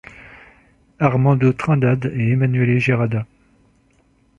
Armando Trindade et Emanuele Gerada.